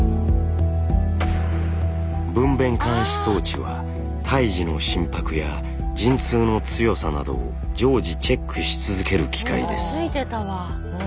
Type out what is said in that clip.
分娩監視装置は胎児の心拍や陣痛の強さなどを常時チェックし続ける機械です。